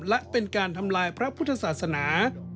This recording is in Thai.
และเป็นการทำลายพระพุทธศาสนา